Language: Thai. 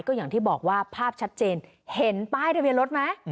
ก็อย่างที่บอกว่าภาพชัดเจนเห็นป้ายทะเบียนรถไหม